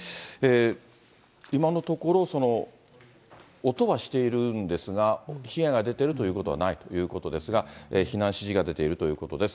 今のところ、音はしているんですが、被害が出ているということはないということですが、避難指示が出ているということです。